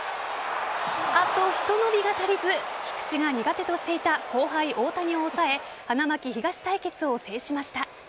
あとひと伸びが足りず菊池が苦手としていた後輩・大谷を抑え花巻東対決を制しました。